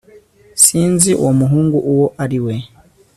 sinzi uwo muhungu uwo ari we